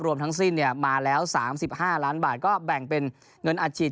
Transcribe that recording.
ทั้งสิ้นมาแล้ว๓๕ล้านบาทก็แบ่งเป็นเงินอัดฉีด